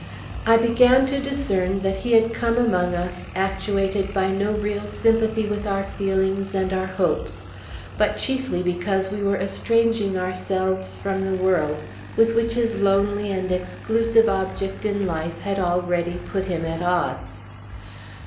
I began to discern that he had come among us actuated by no real sympathy with our feelings and our hopes, but chiefly because we were estranging ourselves from the world, with which his lonely and exclusive object in life had already put him at odds.